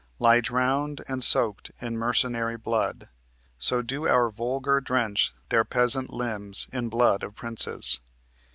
Lie drowned and soaked in mercenary blood; So do our vulgar drench their peasant limbs In blood of princes."